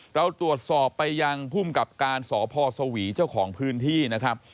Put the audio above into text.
เราตรวจสอบไปยังภูมิกับการสพสวีเจ้าของพื้นที่นะครับ